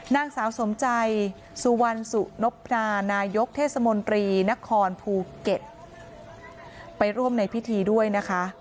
นางสาวสมใจสุวรรณสุนพนานายกเทศมนตรีนครภูเก็ตไปร่วมในพิธีด้วยนะคะ